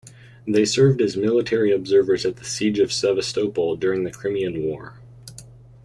They served as military observers at the Siege of Sevastopol during the Crimean War.